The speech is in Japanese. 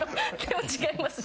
違います。